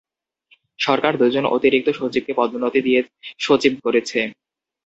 সরকার দুজন অতিরিক্ত সচিবকে পদোন্নতি দিয়ে সচিব করেছে।